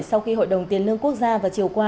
sau khi hội đồng tiền lương quốc gia vào chiều qua